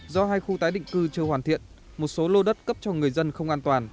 do hai khu tái định cư chưa hoàn thiện một số lô đất cấp cho người dân không an toàn